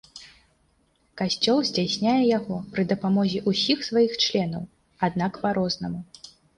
Касцёл здзяйсняе яго пры дапамозе ўсіх сваіх членаў, аднак па-рознаму.